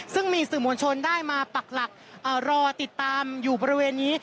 ซึ่งมีสื่อมวลชนได้มาปักหลักรอติดตามอยู่บริเวณนี้